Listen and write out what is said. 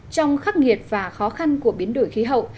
trong khắc nghiệt và khó khăn của biến đổi khí hậu